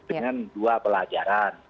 dengan dua pelajaran